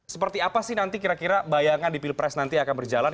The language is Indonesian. seperti apa sih nanti kira kira bayangan di pilpres nanti akan berjalan